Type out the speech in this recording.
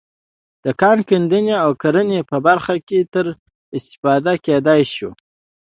د کان کیندنې او کرنې په برخه کې ترې استفاده کېدای شوه.